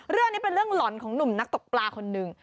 เรื่องนี้เป็นเรื่องหล่อนของหนุ่มนักตกปลาคนหนึ่ง